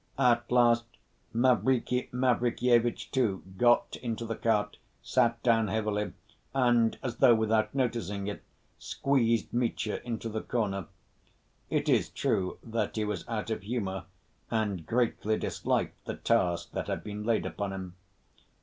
At last Mavriky Mavrikyevitch, too, got into the cart, sat down heavily, and, as though without noticing it, squeezed Mitya into the corner. It is true that he was out of humor and greatly disliked the task that had been laid upon him.